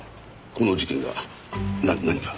この事件が何か？